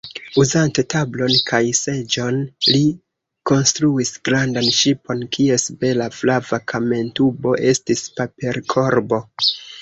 Uzante tablon kaj seĝojn, li konstruis grandan ŝipon, kies bela flava kamentubo estis paperkorbo.